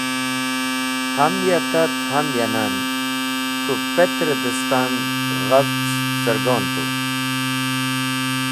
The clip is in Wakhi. Ham ya tat ham ya nan k̃hũ petr-e dẽstan ghafch sargon tu.